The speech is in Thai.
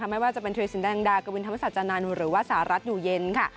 ไม่ว่าจะเป็นเทรสินดังดากวินธรรมสัจจานานหรือว่าสารัสอยู่เย็น